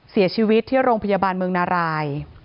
เสียชีวิตที่โรงพยาบาลเมืองนาราย